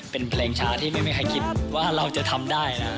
เป็นเพลงช้าที่ไม่มีใครคิดว่าเราจะทำได้นะ